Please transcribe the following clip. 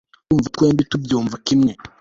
ndumva twembi tubyumva kimwe